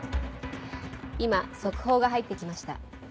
今速報が入ってきました。